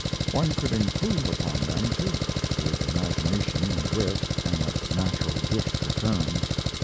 One could improve upon them, too, with imagination and wit and a natural gift for terms.